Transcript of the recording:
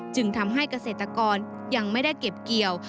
จึงทำให้เกษตรกรยังไม่ได้เก็บเกี่ยว